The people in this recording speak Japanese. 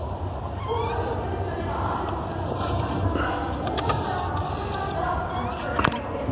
福岡など九州では雨の降る所もありますが大阪から札幌にかけては暑くなりそうです。